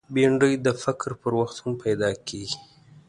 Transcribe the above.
بېنډۍ د فقر پر وخت هم پیدا کېږي